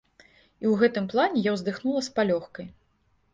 І ў гэтым плане я ўздыхнула з палёгкай.